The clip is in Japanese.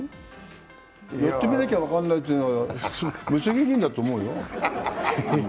やってみなきゃ分からないというのは無責任だと思うよ。